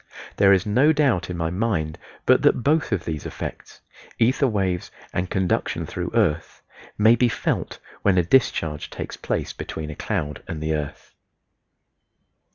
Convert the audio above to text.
There is no doubt in my mind but that both of these effects (ether waves and conduction through earth) may be felt when a discharge takes place between a cloud and the earth.